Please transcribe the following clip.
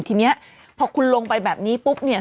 ทีนี้พอคุณลงไปแบบนี้ปุ๊บเนี่ย